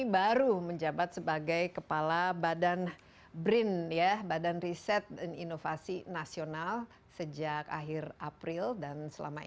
baru menjabat sebagai kepala badan brin ya badan riset dan inovasi nasional sejak akhir april dan selama ini